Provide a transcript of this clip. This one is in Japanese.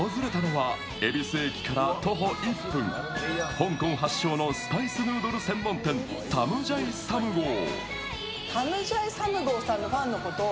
香港発祥のスパイスヌードル専門店タムジャイサムゴー。